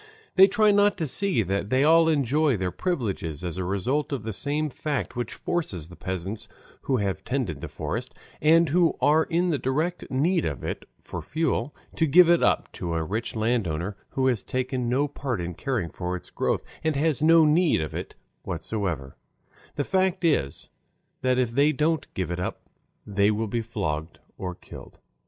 They try not to see that they all enjoy their privileges as a result of the same fact which forces the peasants who have tended the forest, and who are in the direct need of it for fuel, to give it up to a rich landowner who has taken no part in caring for its growth and has no need of it whatever the fact, that is, that if they don't give it up they will be flogged or killed.